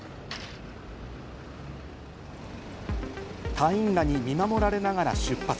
隊員らに見守られながら出発。